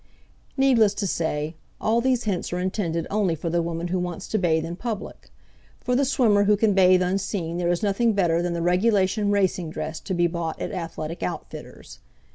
Needless to say, all these hints are intended only for the woman who wants to bathe in public; for the swimmer who can bathe unseen there is nothing better than the regulation racing dress to be bought at athletic outfitters.